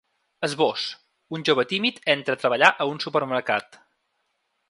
Esbós: Un jove tímid entra a treballar a un supermercat.